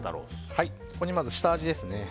ここにまず下味ですね。